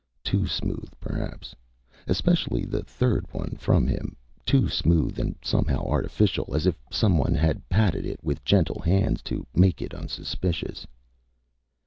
Too smooth, perhaps. Especially the third one from him. Too smooth and somehow artificial, as if someone had patted it with gentle hands to make it unsuspicious.